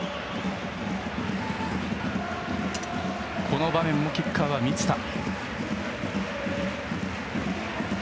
この場面もキッカーは満田。